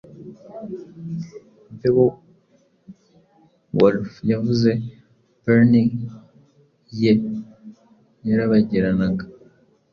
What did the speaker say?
Beowulf yavuze burnie ye yarabagiranaga